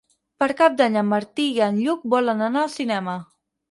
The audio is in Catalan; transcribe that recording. Per Cap d'Any en Martí i en Lluc volen anar al cinema.